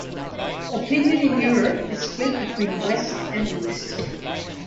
Opinion in Europe is split between West and East.